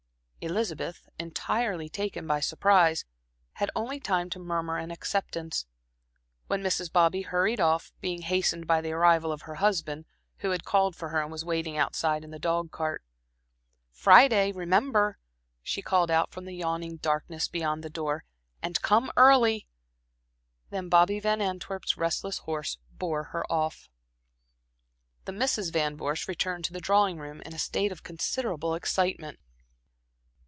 Elizabeth, entirely taken by surprise, had only time to murmur an acceptance, when Mrs. Bobby hurried off, being hastened by the arrival of her husband, who had called for her and was waiting outside in the dog cart. "Friday, remember," she called out from the yawning darkness beyond the door, "and come early." Then Bobby Van Antwerp's restless horse bore her off. The Misses Van Vorst returned to the drawing room, in a state of considerable excitement.